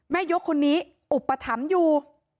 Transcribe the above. ยกคนนี้อุปถัมภ์อยู่